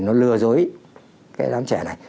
nó lừa dối cái đám trẻ này